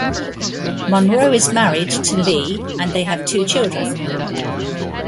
Munro is married to Lea and they have two children.